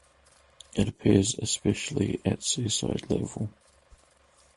It appears especially at seaside level.